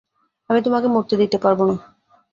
আমি তোমাকে মরতে দিতে পারবো না।